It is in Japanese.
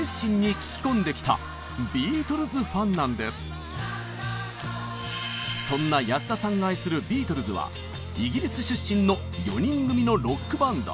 中学生の頃からそんな安田さんが愛するビートルズはイギリス出身の４人組のロックバンド。